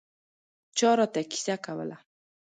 چا راته کیسه کوله.